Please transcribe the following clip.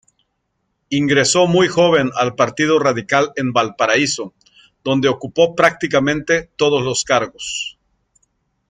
Ingreso muy joven al Partido Radical en Valparaíso, donde ocupó prácticamente todos los cargos.